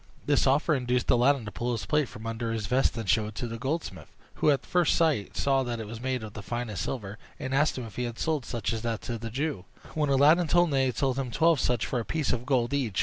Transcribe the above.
This offer induced Aladdin to pull his plate from under his vest and show it to the goldsmith, who at first sight saw that it was made of the finest silver, and asked him if he had sold such as that to the Jew; when Aladdin told him that he had sold him twelve such, for a piece of gold each.